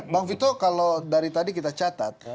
bang vito kalau dari tadi kita catat